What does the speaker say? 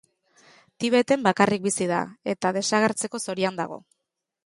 Tibeten bakarrik bizi da eta desagertzeko zorian dago.